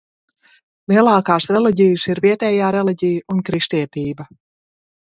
Lielākās reliģijas ir vietējā reliģija un kristietība.